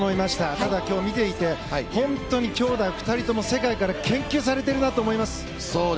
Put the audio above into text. ただ、今日見ていて本当に兄妹２人とも世界から研究されているなと思います。